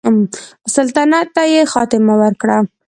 سلطنت ته یې خاتمه ورکړه.